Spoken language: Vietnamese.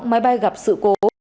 máy bay gặp sự cố